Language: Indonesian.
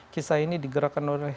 kisah ini digerakkan oleh